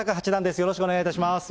よろしくお願いします。